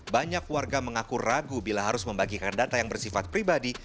banyak warga mengaku ragu bila harus membagikan data yang bersifat pribadi